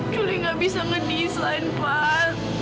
julie gak bisa ngedesain pak